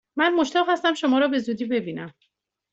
من مشتاق هستم شما را به زودی ببینم!